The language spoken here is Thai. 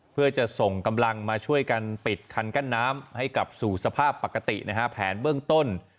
เพื่อจะส่งกำลังมาช่วยกันปิดคันกั้นน้ำให้กลับสู่สภาพปกตินะฮะแผนเบื้องต้น